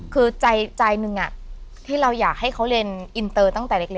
คือใจหนึ่งที่เราอยากให้เขาเรียนอินเตอร์ตั้งแต่เล็ก